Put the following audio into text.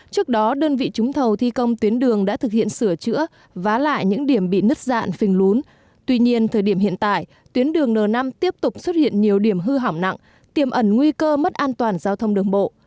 trước đó đơn vị trúng thầu thi công tuyến đường đã thực hiện sửa chữa vá lại những điểm bị nứt dạn phình lún tuy nhiên thời điểm hiện tại tuyến đường n năm tiếp tục xuất hiện nhiều điểm hư hỏng nặng tiềm ẩn nguy cơ mất an toàn giao thông đường bộ